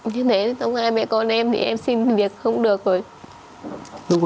như thế đóng hai mẹ con em thì em xin việc không được rồi lúc